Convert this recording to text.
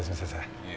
いえ。